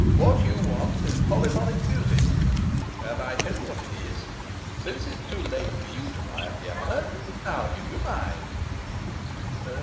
What you want is polyphonic music. And I'll tell you what it is since it's too late for you to buy a piano I'll give you mine.